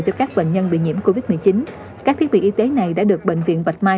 cho các bệnh nhân bị nhiễm covid một mươi chín các thiết bị y tế này đã được bệnh viện bạch mai